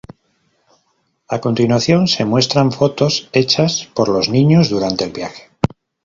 A continuación, se muestran fotos hechas por los niños durante el viaje.